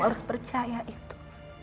kamu harus percaya itu